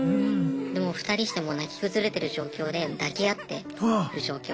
でもう２人してもう泣き崩れてる状況で抱き合ってる状況。